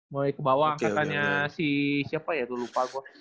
mulai ke bawah angkatannya si siapa ya dulu lupa gue